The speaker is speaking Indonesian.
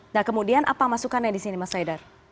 nah kemudian apa masukan yang disini mas kaidar